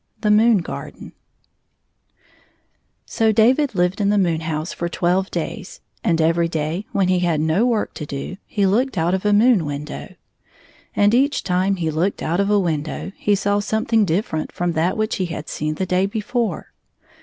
60 VII The Moon Garden SO David lived in the moon house for twelve days, and every day, when he had no work to do, he looked out of a moon window. And each time he looked out of a window he saw something different from that which he had seen the day before.